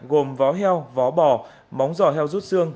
gồm vó heo vó móng giò heo rút xương